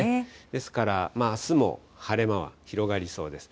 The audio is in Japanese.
ですから、あすも晴れ間は広がりそうです。